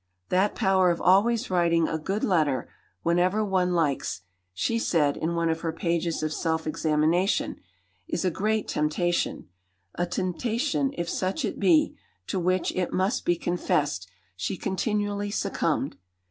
"That power of always writing a good letter whenever one likes," she said in one of her pages of self examination, "is a great temptation" a temptation, if such it be, to which, it must be confessed, she continually succumbed.